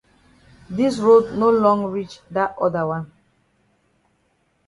Dis road no long reach dat oda wan.